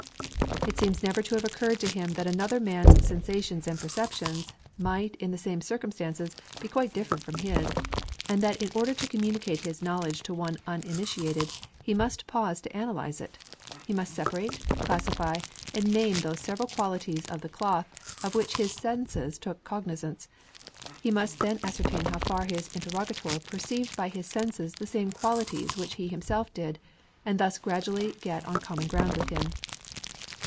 It seems never to have occurred to him that another man's sensations and perceptions might in the same circumstances be quite different from his, and that in order to communicate his knowledge to one uninitiated, he must pause to analyze it; he must separate, classify, and name those several qualities of the cloth of which his senses took cognizance; he must then ascertain how far his interrogator perceived by his senses the same qualities which he himself did, and thus gradually get on common ground with him.